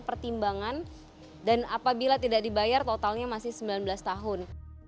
pertimbangan dan apabila tidak dibayar totalnya masih sembilan belas tahun